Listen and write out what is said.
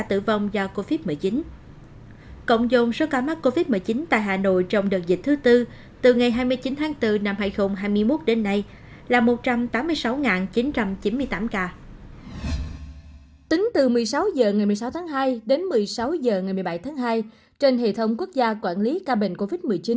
từ một mươi sáu h ngày một mươi sáu tháng hai đến một mươi sáu h ngày một mươi bảy tháng hai trên hệ thống quốc gia quản lý ca bệnh covid một mươi chín